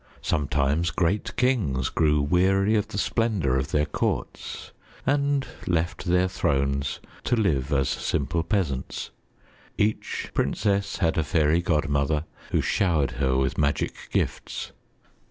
Sometimes great kings grew weary of the splendor of their courts and left their thrones to live as simple peasants. Each princess had a fairy godmother who showered her with magic gifts.